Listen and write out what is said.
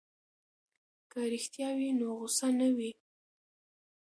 که رښتیا وي نو غصه نه وي.